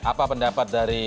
apa pendapat dari